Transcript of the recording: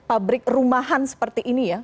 pabrik rumahan seperti ini ya